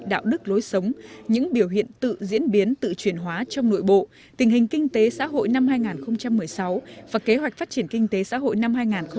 đạo đức lối sống những biểu hiện tự diễn biến tự truyền hóa trong nội bộ tình hình kinh tế xã hội năm hai nghìn một mươi sáu và kế hoạch phát triển kinh tế xã hội năm hai nghìn hai mươi